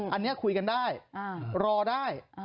อันนี้คุยกันได้รอได้